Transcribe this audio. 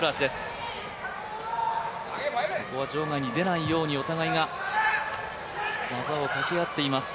ここは場外に出ないようにお互いが技をかけ合っています。